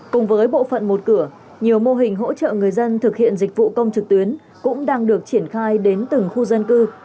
cùng với bộ phận một cửa nhiều mô hình hỗ trợ người dân thực hiện dịch vụ công trực tuyến cũng đang được triển khai đến từng khu dân cư